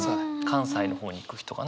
関西の方に行く人が。